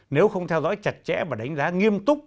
nếu không theo dõi chặt chẽ và đánh giá nghiêm túc